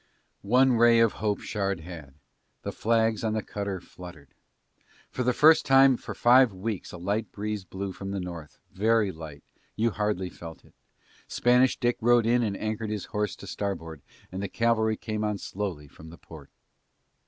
One ray of hope Shard had; the flags on the cutter fluttered. For the first time for five weeks a light breeze blew from the North, very light, you hardly felt it. Spanish Dick rode in and anchored his horse to starboard and the cavalry came on slowly from the port.